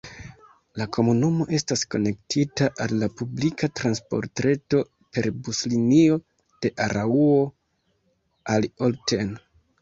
La komunumo estas konektita al la publika transportreto per buslinio de Araŭo al Olten.